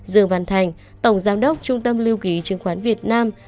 dương văn thành tổng giám đốc trung tâm lưu ký chứng khoán việt nam